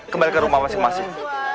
kembali ke rumah masing masing